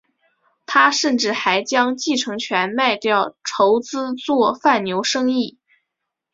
他甚至还将继承权卖掉筹资做贩牛生意。